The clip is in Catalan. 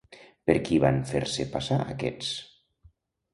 Per qui van fer-se passar aquests?